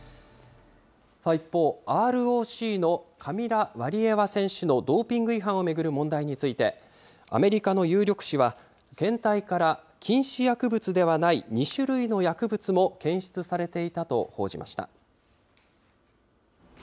一方、ＲＯＣのカミラ・ワリエワ選手のドーピング違反を巡る問題について、アメリカの有力紙は、検体から禁止薬物ではない２種類の薬物も検出されていたと報じました。